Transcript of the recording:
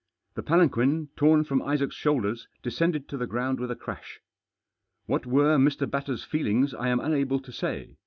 The palanquin, torn from Isaac's shoulders, descended to the ground with a crash. What were Mr. Batters' feelings I am unable to say.